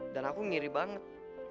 dan aku ngiri banget